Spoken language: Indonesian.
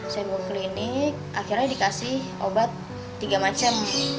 saya mau klinik akhirnya dikasih obat tiga macam